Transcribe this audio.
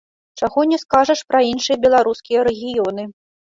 Чаго не скажаш пра іншыя беларускія рэгіёны.